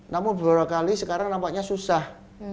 namun beberapa kali sekarang nampaknya susah